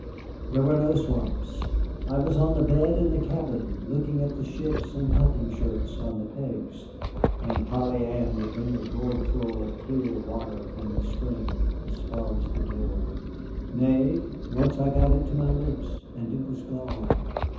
There were no swamps. I was on the bed in the cabin looking at the shifts and hunting shirts on the pegs, and Polly Ann would bring a gourdful of clear water from the spring as far as the door. Nay, once I got it to my lips, and it was gone.